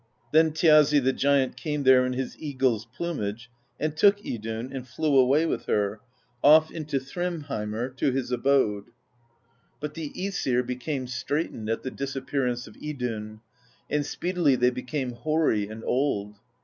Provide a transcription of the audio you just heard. Then Thjazi the giant came there in his eagle's plumage and took Idunn and flew away with her, off into Thrymheimr to his abode. THE POESY OF SKALDS 91 But the ^sir became straitened at the disappearance of Idunn, and speedily they became hoary and old.